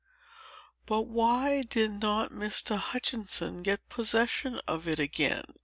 "But why did not Mr. Hutchinson get possession of it again?"